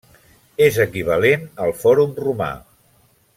És equivalent al fòrum romà.